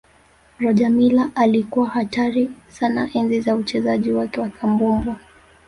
rogermiller alikuwa hatari sana enzi za uchezaji wake wa kabumbu